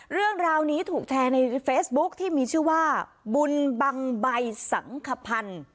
เรื่องราวนี้ถูกแชร์ในเฟซบุ๊คที่มีชื่อว่าบุญบังใบสังขพันธ์